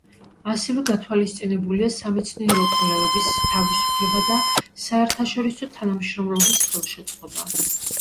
ასევე გათვალისწინებულია სამეცნიერო კვლევების თავისუფლება და საერთაშორისო თანამშრომლობის ხელშეწყობა.